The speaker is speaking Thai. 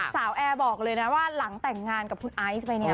แอร์บอกเลยนะว่าหลังแต่งงานกับคุณไอซ์ไปเนี่ย